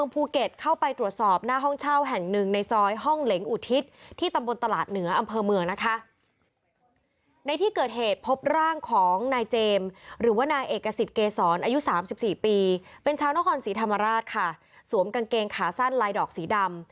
เป็นชาวนครศรีธรรมราชค่ะสวมกางเกงขาสั้นลายดอกสีดำ